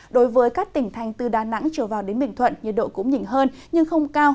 đối với các tỉnh thành từ đà nẵng trở vào đến bình thuận nhiệt độ cũng nhỉnh hơn nhưng không cao